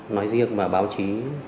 nói riêng và báo chí